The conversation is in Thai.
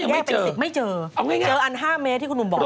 ไม่เจอเจออันห้าเมตรที่คุณนุมบอก